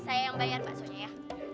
saya yang bayar baksonya ya